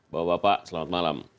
bapak bapak selamat malam